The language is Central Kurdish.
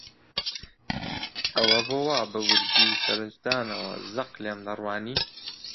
ئەوە بۆ وا بە وردی و سەرنجدانەوە زەق لێم دەڕوانی؟